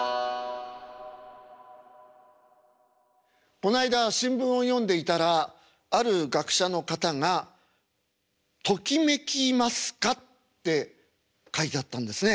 こないだ新聞を読んでいたらある学者の方が「ときめきますか？」って書いてあったんですね。